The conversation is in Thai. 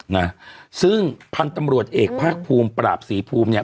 นะซึ่งพันธุ์ตำรวจเอกภาคภูมิปราบศรีภูมิเนี้ย